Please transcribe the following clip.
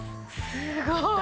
すごい。